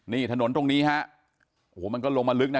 นี่ถนนตรงนี้ฮะโอ้โหมันก็ลงมาลึกนะ